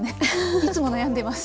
いつも悩んでます。